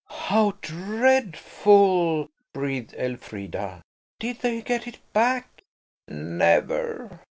"How dreadful!" breathed Elfrida. "Did they get it back?" "Never.